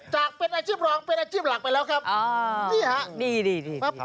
จากเป็นอาชีพรองเป็นอาชีพหลักไปแล้วครับอ่านี่ฮะนี่